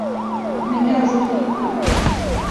Me neajotiye.